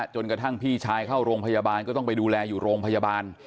จนกระทั่งพี่ชายเข้าโรงพยาบาลก็ต้องไปดูแลอยู่โรงพยาบาล